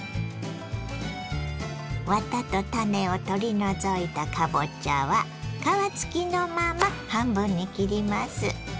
ワタと種を取り除いたかぼちゃは皮付きのまま半分に切ります。